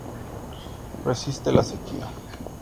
Resiste la sequía.